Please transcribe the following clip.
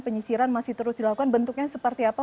penyisiran masih terus dilakukan bentuknya seperti apa